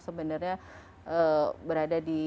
sebenarnya berada di